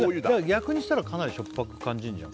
逆にしたらかなり塩っぱく感じんじゃん？